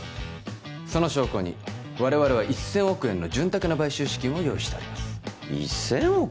その証拠に我々は１千億円の潤沢な買収資金を用意しております１千億？